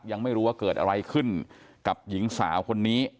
ยังไม่รู้ว่าเกิดอะไรขึ้นกับหญิงสาวคนนี้